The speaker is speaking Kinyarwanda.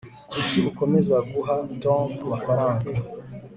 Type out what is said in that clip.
kuki ukomeza guha tom amafaranga